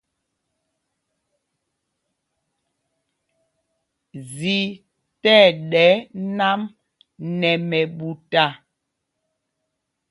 Zī tí ɛɗɛ nǎm nɛ mɛɓuta.